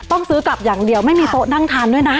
ต้องซื้อกลับอย่างเดียวไม่มีโต๊ะนั่งทานด้วยนะ